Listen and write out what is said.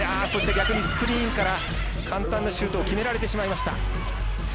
スクリーンから簡単なシュートを決められてしまいました。